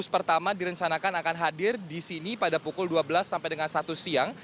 pertama direncanakan akan hadir di sini pada pukul dua belas sampai dengan satu siang